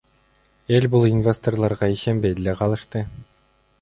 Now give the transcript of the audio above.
Эл бул инвесторлорго ишенбей деле калды.